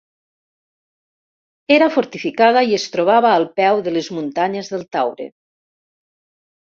Era fortificada i es trobava al peu de les muntanyes del Taure.